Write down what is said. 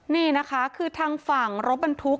นี่นะคะคือทางฝั่งรถบรรทุก